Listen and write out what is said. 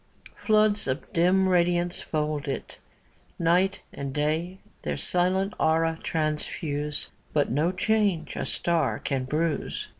Floods of dim radiance fold it ; Night and day their silent aura transfuse, But no change a star oan bruise.